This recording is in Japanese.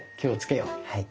はい。